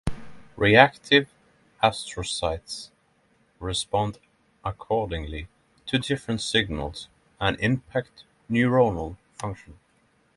Reactive astrocytes respond according to different signals and impact neuronal function.